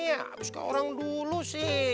iya harus ke orang dulu sih